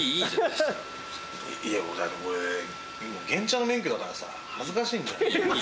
でも俺原チャの免許だからさ恥ずかしいんだよね。